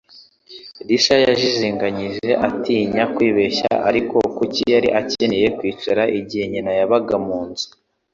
Lisa yajijinganyije, atinya kwibeshya, ariko kuki yari akeneye kwicara igihe nyina yabaga mu nzu?